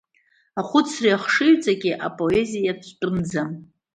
Ахәыцреи, ахшыҩҵаки апоезиа иацәтәымӡам.